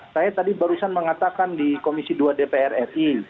saya tadi barusan mengatakan di komisi dua dpr ri